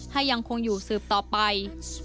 ยังคงอยู่สืบต่อไป